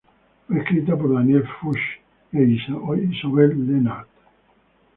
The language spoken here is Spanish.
Fue escrita por Daniel Fuchs e Isobel Lennart.